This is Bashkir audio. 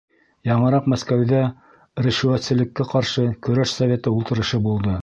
Яңыраҡ Мәскәүҙә ришүәтселеккә ҡаршы көрәш советы ултырышы булды.